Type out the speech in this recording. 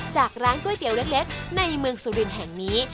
จากร้านก๋วยเตี๋ยวเล็กในเมืองสุรินทร์แห่งนี้